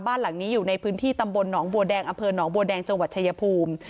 บ้านหลังนี้อยู่ในพื้นที่ตำบลหนองบัวแดงอหนองบัวแดงจชภูมิ